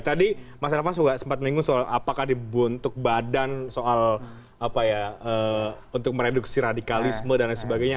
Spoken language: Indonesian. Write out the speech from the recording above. tadi mas raffa sudah sempat minggu soal apakah dibuntuk badan untuk mereduksi radikalisme dan lain sebagainya